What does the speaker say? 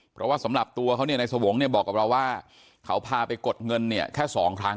เพราะว่าสำหรับตัวเขาเนี่ยในสวงศ์เนี่ยบอกกับเราว่าเขาพาไปกดเงินเนี่ยแค่สองครั้ง